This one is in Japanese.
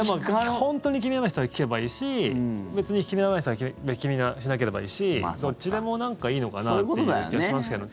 本当に気になる人は聞けばいいし別に気にならない人は気にしなければいいしどっちでもいいのかなっていう気はしますけど。